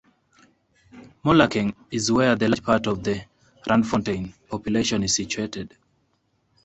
Mohlakeng is where the large part of the Randfontein population is situated.